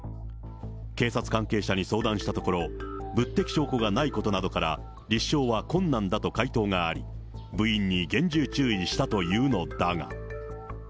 警察関係者に相談したところ、物的証拠がないことなどから、立証は困難だと回答があり、部員に厳重注意したというのだが。